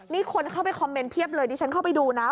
นี่คนเข้าไปคอมเมนต์เพียบเลยดิฉันเข้าไปดูนะ